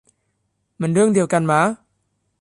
มันเรื่องเดียวกันมะ